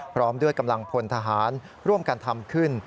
พร้อมด้วยกำลังพลทหารร่วมกันทำขึ้น